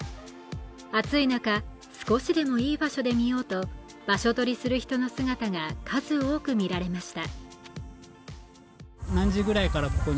暑い中、少しでもいい場所で見ようと場所取りする人の姿が数多く見られました。